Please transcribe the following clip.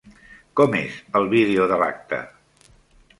Com és el vídeo de l'acte?